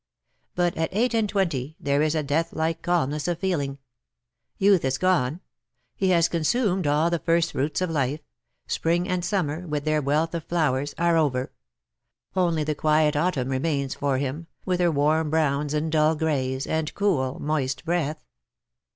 But at eight and twenty there is a death like calmness of feeling. Youth is gone. He has consumed all the first fruits of life — spring and summer, with their wealth of flowers, are over ; only the quiet autumn remains for him, with her warm browns and dull greys, and cool, moist breath.